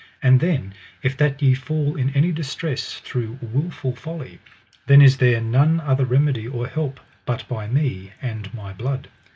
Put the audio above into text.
And then if that ye fall in any distress through wilful folly, then is there none other remedy or help but by me and my blood.